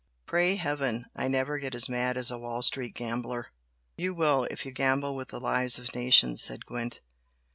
Pray Heaven I never get as mad as a Wall Street gambler!" "You will, if you gamble with the lives of nations!" said Gwent.